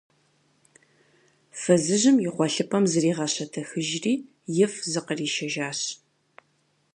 Фызыжьым и гъуэлъыпӀэм зригъэщэтэхыжри, ифӀ зыкъришэжащ.